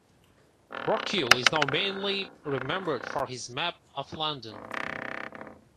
Rocque is now mainly remembered for his Map of London.